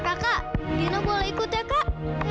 kakak gino boleh ikut ya kak